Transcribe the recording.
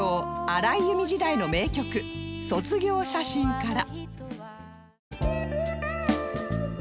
荒井由実時代の名曲『卒業写真』から